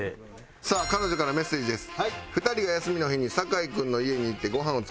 さあ彼女からメッセージです。